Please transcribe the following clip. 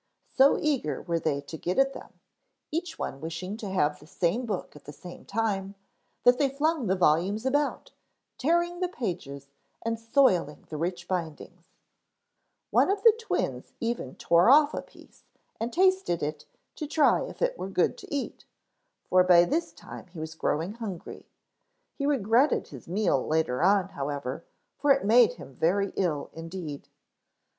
So eager were they to get at them, each one wishing to have the same book at the same time, that they flung the volumes about, tearing the pages and soiling the rich bindings. One of the twins even tore off a piece and tasted it to try if it were good to eat, for by this time he was growing hungry. He regretted his meal later on, however, for it made him very ill indeed.